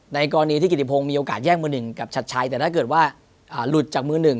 ในกรณีที่กิติพงษ์มีโอกาสแยกมือ๑กับชัดชัยแต่ถ้าเกิดว่าหลุดจากมือ๑